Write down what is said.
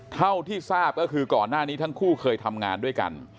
เท่าที่ทราบก็คือก่อนหน้านี้ทั้งคู่เคยทำงานด้วยกัน